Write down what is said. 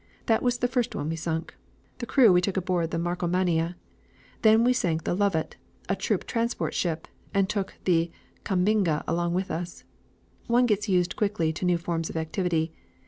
That was the first one we sunk. The crew we took aboard the Markomannia. Then we sank the Lovat, a troop transport ship, and took the Kambinga along with us. One gets used quickly to new forms of activity.